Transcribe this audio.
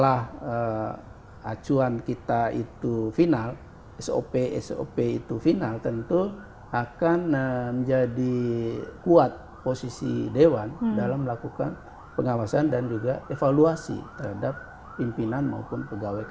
setelah acuan kita itu final sop sop itu final tentu akan menjadi kuat posisi dewan dalam melakukan pengawasan dan juga evaluasi terhadap pimpinan maupun pegawai kpk